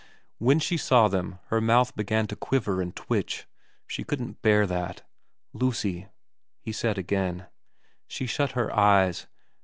When she saw them her mouth began to quiver and twitch. She couldn't bear that. * Lucy ' he said again. She shut her eyes.